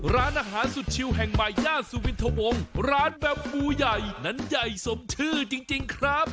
ร้านอาหารสุดชิวแห่งใหม่ย่านสุวินทวงร้านแบบบูใหญ่นั้นใหญ่สมชื่อจริงครับ